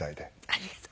ありがとう。